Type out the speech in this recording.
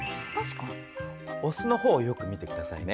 オスの方をよく見てくださいね。